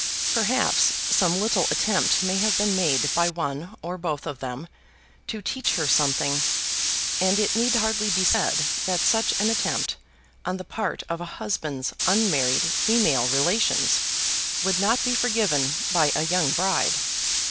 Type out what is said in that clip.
Perhaps some little attempt may have been made by one or both of them to teach her something, and it need hardly be said that such an attempt on the part of a husband's unmarried female relations would not be forgiven by a young bride.